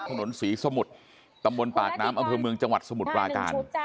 ถนนศรีสมุทรตำบลปากน้ำอำเภอเมืองจังหวัดสมุทรปราการ